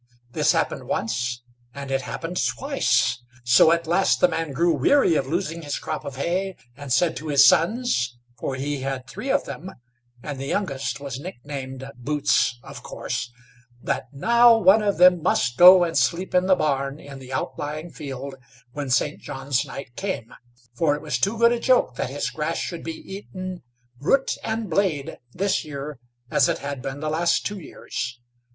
This happened once, and it happened twice; so at last the man grew weary of losing his crop of hay, and said to his sons for he had three of them, and the youngest was nicknamed Boots, of course that now one of them must go and sleep in the barn in the outlying field when St. John's night came, for it was too good a joke that his grass should be eaten, root and blade, this year, as it had been the last two years.